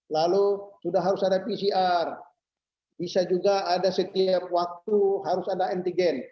lalu sudah harus ada pcr bisa juga ada setiap waktu harus ada antigen